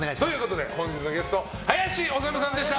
本日のゲスト、林修さんでした。